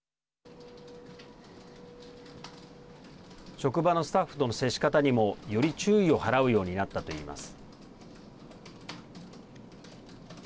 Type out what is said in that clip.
職場のスタッフとの接し方にもより注意を払うようになったといいます。